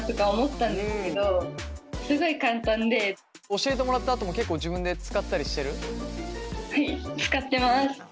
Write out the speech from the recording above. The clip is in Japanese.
教えてもらったあとも結構自分で使ったりしてる？